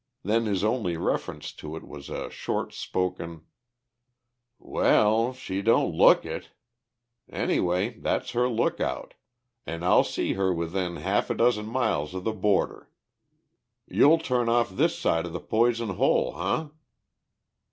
Then his only reference to it was a short spoken, "Well, she don't look it! Anyway, that's her look out, an' I'll see her within half a dozen miles of the border. You'll turn off this side the Poison Hole, huh?"